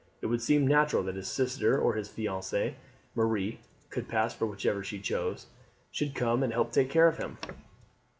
It would seem natural that his sister or his fiance Marie could pass for whichever she chose should come and help take care of him."